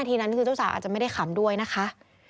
ทีนั้นคือเจ้าสาวอาจจะไม่ได้ขำด้วยนะคะ